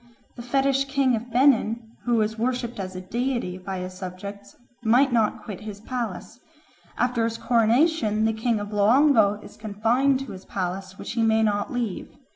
The fetish king of Benin, who was worshipped as a deity by his subjects, might not quit his palace. After his coronation the king of Loango is confined to his palace, which he may not leave.